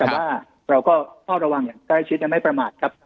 แต่ว่าเราก็เฝ้าระวังอย่างใกล้ชิดและไม่ประมาทครับ